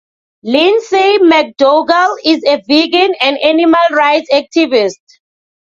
Lindsay McDougall is a vegan and animal rights activist.